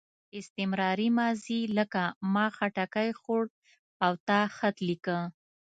استمراري ماضي لکه ما خټکی خوړ او تا خط لیکه.